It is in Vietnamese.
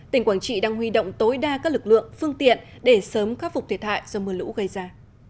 tỉnh quảng trị đang huy động tối đa các lực lượng phương tiện để sớm khắc phục thiệt hại do mưa lũ gây ra